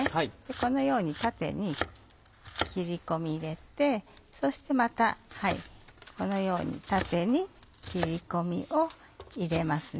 このように縦に切り込み入れてそしてまたこのように縦に切り込みを入れますね。